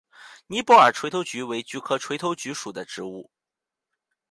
尼泊尔垂头菊为菊科垂头菊属的植物。